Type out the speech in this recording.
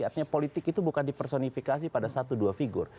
artinya politik itu bukan dipersonifikasi pada satu dua figur